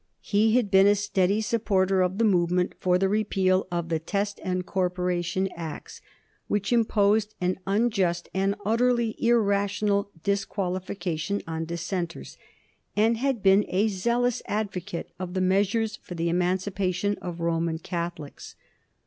He had been a steady supporter of the movement for the repeal of the Test and Corporation Acts, which imposed an unjust and utterly irrational disqualification on Dissenters, and had been a zealous advocate of the measures for the emancipation of Roman Catholics.